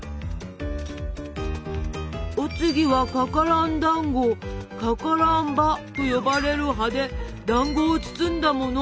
お次は「かからん葉」と呼ばれる葉でだんごを包んだもの。